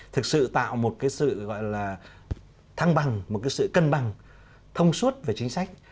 thực sự tạo một cái sự gọi là thăng bằng một cái sự cân bằng thông suốt về chính sách